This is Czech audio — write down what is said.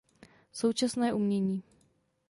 Současné umění.